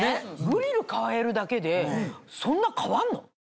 グリルかえるだけでそんな変わんの？